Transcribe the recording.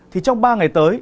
thì trong ba ngày tới